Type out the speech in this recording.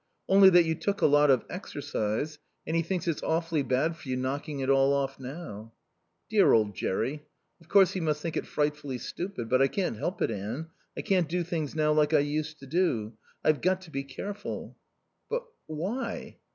"Only that you took a lot of exercise, and he thinks it's awfully bad for you knocking it all off now." "Dear old Jerry. Of course he must think it frightfully stupid. But I can't help it, Anne. I can't do things now like I used to. I've got to be careful." "But why?"